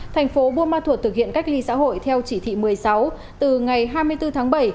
thành phố bumathur thực hiện cách ly xã hội theo chỉ thị một mươi sáu từ ngày hai mươi bốn tháng bảy